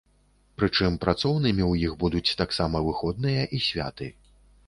Прычым працоўнымі ў іх будуць таксама выходныя і святы.